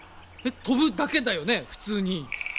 飛ぶだけだよね普通に。